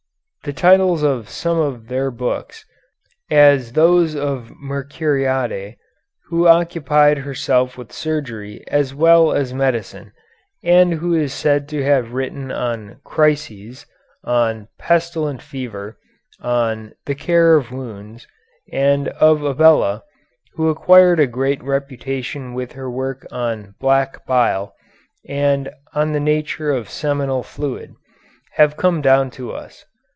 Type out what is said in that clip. The titles of some of their books, as those of Mercuriade, who occupied herself with surgery as well as medicine, and who is said to have written on "Crises," on "Pestilent Fever," on "The Cure of Wounds," and of Abella, who acquired a great reputation with her work on "Black Bile," and on the "Nature of Seminal Fluid," have come down to us.